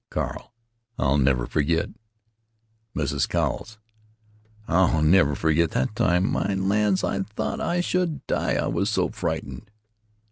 Carl: "I'll never forget——" Mrs. Cowles: "I'll never forget that time! My lands! I thought I should die, I was so frightened."